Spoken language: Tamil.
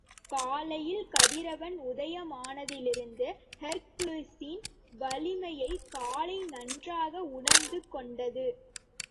காலையில் கதிரவன் உதயமானதிலிருந்து ஹெர்க்குலிஸின் வலிமையைக் காளை நன்றாக உணர்ந்துகொண்டது.